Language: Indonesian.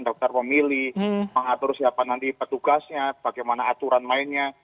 daftar pemilih mengatur siapa nanti petugasnya bagaimana aturan lainnya